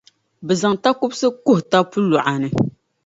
bɛ zaŋ takɔbiri kuhi tab’ puluɣa ni.